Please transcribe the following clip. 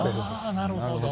あなるほど。